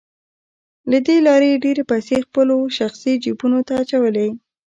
له دې لارې یې ډېرې پیسې خپلو شخصي جیبونو ته اچولې